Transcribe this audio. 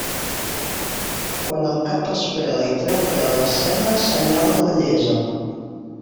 Quan el cap es pela i treu pèl la seda, senyal de vellesa.